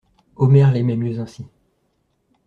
Omer l'aimait mieux ainsi.